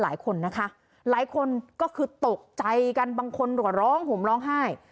หลายคนนะคะหลายคนก็คือตกใจกันบางคนก็ร้องห่มร้องไห้